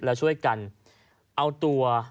แล้วช่วยกันเอาตัว